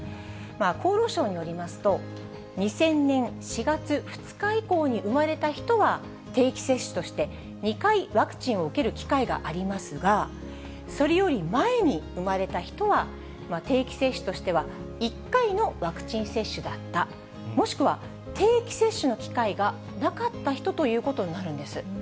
厚労省によりますと、２０００年４月２日以降に生まれた人は、定期接種として２回ワクチンを受ける機会がありますが、それより前に生まれた人は、定期接種としては１回のワクチン接種だった、もしくは定期接種の機会がなかった人ということになるんです。